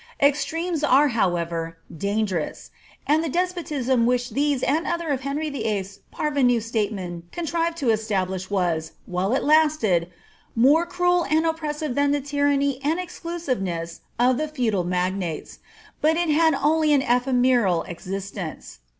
Extremes are, however, dangerous ; and the despotism which these and other of Henry YHL's parvenu statemen contrived to establish was, while it lasted, more cruel and oppressive than the tyranny and exclu eireness of the feudal magnates; but it had only an ephemeral existence.